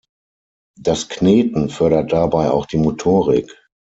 Das Kneten fördert dabei auch die Motorik.